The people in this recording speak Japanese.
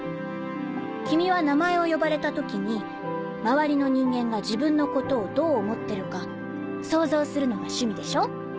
君は名前を呼ばれた時に周りの人間が自分のことをどう思ってるか想像するのが趣味でしょ？